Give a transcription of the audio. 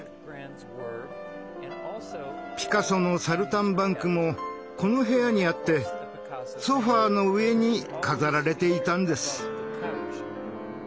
ピカソの「サルタンバンク」もこの部屋にあってソファーの上に飾られていたんです。